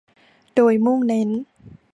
โดยมุ่งเน้น